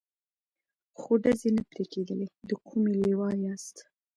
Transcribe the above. خو ډزې نه پرې کېدلې، د کومې لوا یاست؟